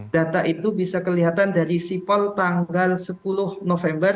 data itu bisa kelihatan dari sipol tanggal sepuluh november